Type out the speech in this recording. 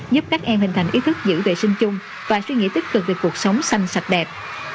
giúp các em hình thành ý thức giữ vệ sinh chung và suy nghĩ tích cực về cuộc sống xanh sạch đẹp